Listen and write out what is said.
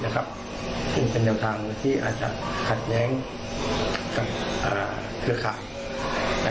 ซึ่งเป็นแนวทางที่อาจจะขัดแย้งกับเครือข่าย